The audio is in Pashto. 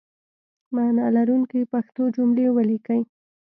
معنی لرونکي پښتو جملې ولیکئ!